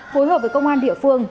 phối hợp với công an địa phương